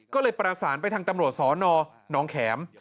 ก็เลยประหลาดประสานไปทางทำรวจศนน้องแข็ม